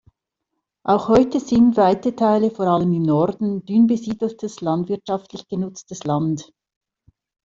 Auch heute sind weite Teile vor allem im Norden dünn besiedeltes, landwirtschaftlich genutztes Land.